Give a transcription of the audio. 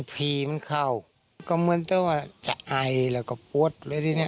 ผีมันเข้าก็เหมือนจะว่าจะไอแล้วก็ปวดเลยทีนี้